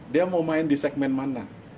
dia mau main di segmen mana